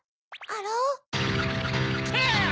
あら？